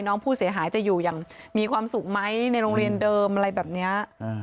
น้องผู้เสียหายจะอยู่อย่างมีความสุขไหมในโรงเรียนเดิมอะไรแบบนี้